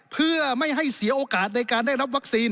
เพื่อไม่ให้เสียโอกาสในการได้รับวัคซีน